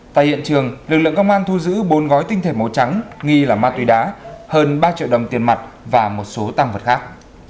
tại hiện trường lực lượng công an thu giữ bốn gói tinh thể màu trắng nghi là ma túy đá hơn ba triệu đồng tiền mặt và một số tăng vật khác